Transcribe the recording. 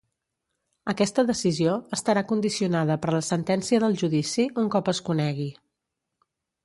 Aquesta decisió estarà condicionada per la sentència del judici, un cop es conegui.